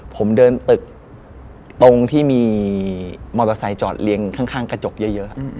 ผมเดินตึกตรงที่มีมอเตอร์ไซค์จอดเรียงข้างกระจกเยอะ